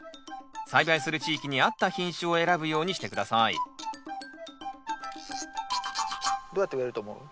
栽培する地域にあった品種を選ぶようにして下さいどうやって植えると思う？